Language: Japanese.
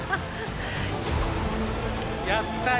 やったよ！